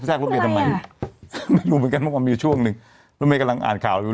แทรกรถเมฆทำไมไม่รู้เหมือนกันมันมีช่วงหนึ่งรถเมฆกำลังอ่านข่าวอยู่